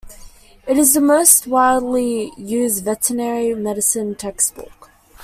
It is the most widely used veterinary medicine textbook.